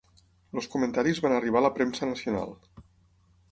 Els comentaris van arribar a la premsa nacional.